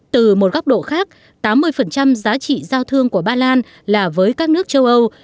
từ một góc độ khác tám mươi giá trị giao thương của ba lan là với các nước châu âu